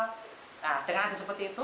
nah dengan ada seperti itu